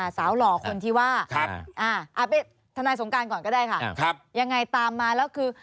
หล่อคนที่ว่าเอาไปทนายสงการก่อนก็ได้ค่ะยังไงตามมาแล้วคือ